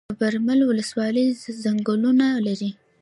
د برمل ولسوالۍ ځنګلونه لري